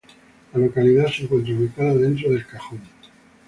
La localidad se encuentra ubicada dentro de El Cajón.